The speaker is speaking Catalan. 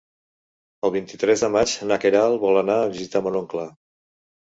El vint-i-tres de maig na Queralt vol anar a visitar mon oncle.